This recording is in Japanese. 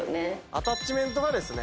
アタッチメントがですね